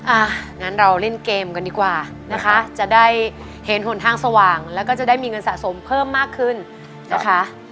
อ่ะงั้นเราเล่นเกมกันดีกว่านะคะจะได้เห็นหนทางสว่างแล้วก็จะได้มีเงินสะสมเพิ่มมากขึ้นนะคะ